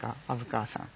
虻川さん。